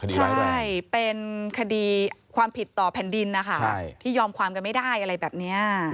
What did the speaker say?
ใช่เป็นคดีความผิดต่อแผ่นดินนะคะที่ยอมความกันไม่ได้อะไรแบบนี้